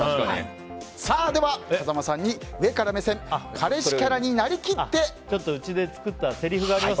では、風間さんに上から目線彼氏キャラになりきっていただきます。